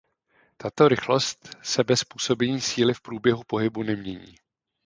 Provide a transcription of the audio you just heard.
Tato rychlost se bez působení síly v průběhu pohybu nemění.